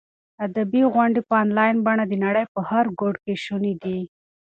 ادبي غونډې په انلاین بڼه د نړۍ په هر ګوټ کې شونې دي.